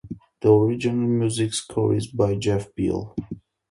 The original music score is by Jeff Beal.